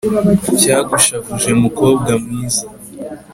cyagushavuje mukobwa mwiza?”